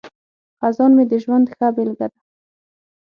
خزان مې د ژوند ښه بیلګه ده.